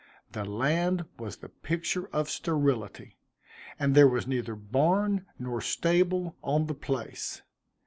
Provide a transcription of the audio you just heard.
The land was the picture of sterility, and there was neither barn nor stable on the place.